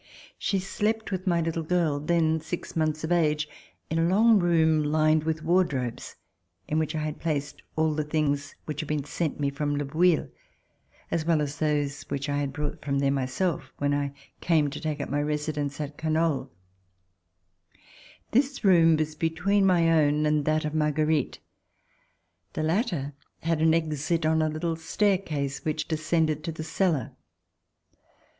She slept with my little girl, then six months of age, in a long room lined with wardrobes in which I had placed all the things which had been sent me from Le Bouilh, as well as those which I had brought from there myself, when I came to take up my residence at Canoles. This room was between my own and that of Marguerite. The latter had an exit on a little staircase which descended to the cellar.